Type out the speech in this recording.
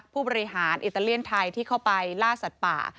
ผู้บริหารอิตาเลียนไทยที่เข้าไปล่าสัตว์ป่า